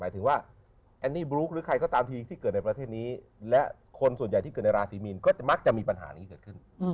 ถึงว่าแอนนี่บลูคหรือใครก็ตามทีที่เกิดในประเทศนี้และคนส่วนใหญ่ที่เกิดในราศีมีนก็จะมักจะมีปัญหานี้เกิดขึ้น